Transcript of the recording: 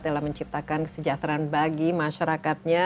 yang telah menciptakan kesejahteraan bagi masyarakatnya